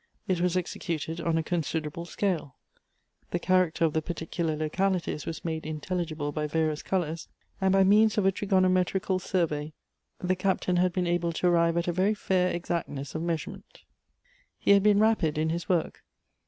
It was executed on a considerable scale; the character of the particular localities was made intelligible by various colors; and by means of a trigono metrical survey, the Captain had been able to airive at a very fair exactness of measurement. He had been rapid in his work.